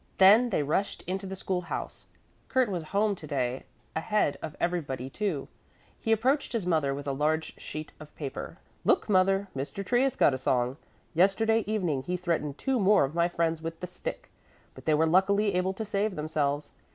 Then they rushed into the school house. Kurt was home to day ahead of everybody, too. He approached his mother with a large sheet of paper. "Look, mother, Mr. Trius got a song. Yesterday evening he threatened two more of my friends with the stick, but they were luckily able to save themselves.